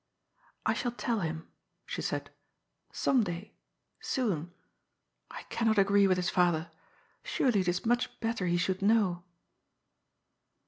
" I shall tell him," she said, " some day. Soon. I can not agree with his father. Surely it is much better he should know."